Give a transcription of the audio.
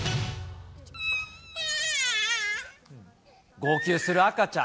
号泣する赤ちゃん。